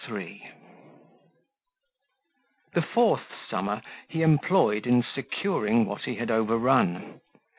23 The fourth summer he employed in securing what he had overrun.